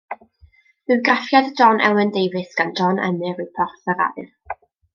Bywgraffiad John Elwyn Davies gan John Emyr yw Porth yr Aur.